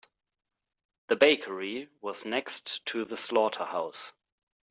The bakery was next to the slaughterhouse.